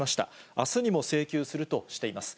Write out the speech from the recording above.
あすにも請求するとしています。